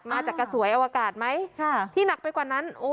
มาจากกระสวยอวกาศไหมที่หนักไปกว่านั้น